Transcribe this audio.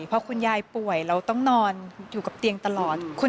พอคุณยายป่วยเราต้องนอนอยู่กับเตียงตลอด